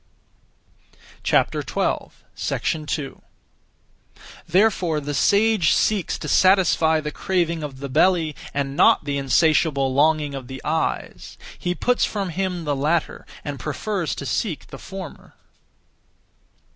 2. Therefore the sage seeks to satisfy (the craving of) the belly, and not the (insatiable longing of the) eyes. He puts from him the latter, and prefers to seek the former.